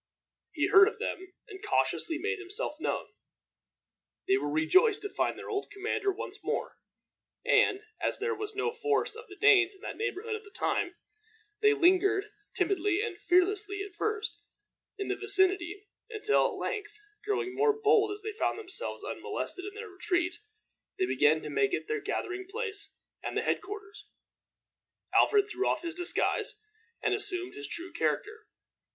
He heard of them, and cautiously made himself known. They were rejoiced to find their old commander once more, and, as there was no force of the Danes in that neighborhood at the time, they lingered, timidly and fearlessly at first, in the vicinity, until, at length, growing more bold as they found themselves unmolested in their retreat, they began to make it their gathering place and head quarters. Alfred threw off his disguise, and assumed his true character.